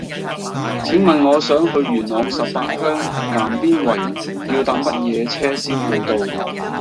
請問我想去元朗十八鄉南邊圍要搭乜嘢車先去到